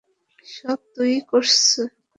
সব তুমিই করেছ?